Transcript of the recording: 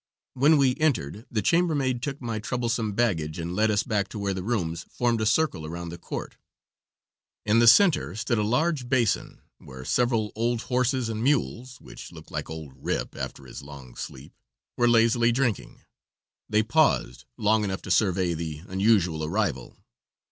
When we entered, the chambermaid took my troublesome baggage and led us back to where the rooms formed a circle around the court. In the center stood a large basin where several old horses and mules which looked like old "Rip" after his long sleep were lazily drinking. They paused long enough to survey the unusual arrival.